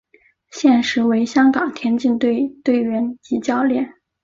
现时为香港田径队队员及教练。